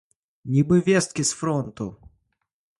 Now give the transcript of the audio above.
Нібы весткі з фронту!